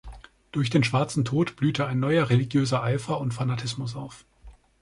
Durch den Schwarzen Tod blühte ein neuer religiöser Eifer und Fanatismus auf.